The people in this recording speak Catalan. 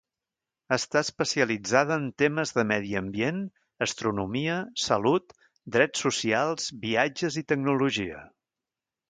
Està especialitzada en temes de medi ambient, astronomia, salut, drets socials, viatges i tecnologia.